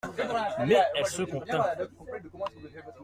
Mais elle se contint.